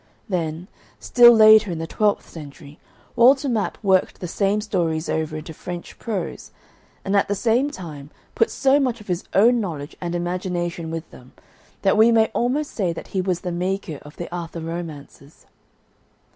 Then, still later in the twelfth century, Walter Map worked the same stories over into French prose, and at the same time put so much of his own knowledge and imagination with them, that we may almost say that he was the maker of the Arthur romances.